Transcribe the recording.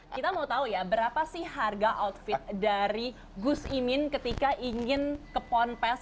kita mau tahu ya berapa sih harga outfit dari gus imin ketika ingin ke ponpes